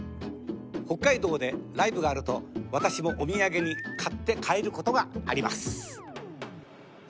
北海道でライブがあると私もお土産に買って帰る事があります。